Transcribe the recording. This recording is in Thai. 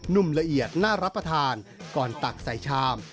ุ่มละเอียดน่ารับประทานก่อนตักใส่ชาม